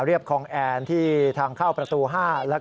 พระบุว่าจะมารับคนให้เดินทางเข้าไปในวัดพระธรรมกาลนะคะ